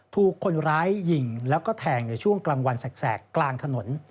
ถูกคนร้ายยิงแล้วก็แทงในช่วงกลางวันแสกกลางถนน